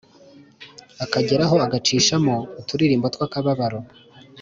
akageraho agacishamo uturirimbo twakababaro